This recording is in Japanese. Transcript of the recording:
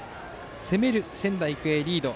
攻める仙台育英がリード。